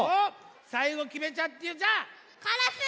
さいごきめちゃってよじゃあ。